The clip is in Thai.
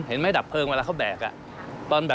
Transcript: เห็นไหมดับเพลิงเวลาเขาแบก